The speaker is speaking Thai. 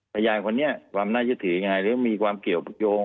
พยานคนนี้ความน่ายึดถือยังไงหรือมีความเกี่ยวยง